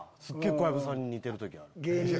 小籔さんに似てる時ある。